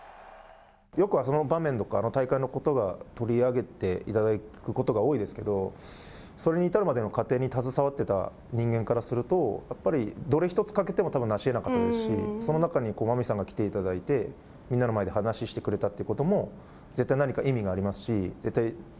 よくあの場面とかあの大会のことを取り上げていただくことが多いですけれどもそれに至るまでの過程に携わってた人間からすると、やっぱりどれ一つ欠けてもなし得なかったですしその中に真海さんが来ていただいてみんなの前で話をしていただいたということも絶対何か意味がありますし。